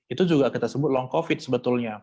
itu juga kita sebut long covid sebetulnya